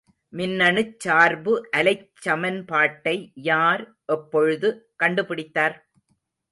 மின்னணுச் சார்பு அலைச் சமன்பாட்டை யார், எப்பொழுது கண்டுபிடித்தார்?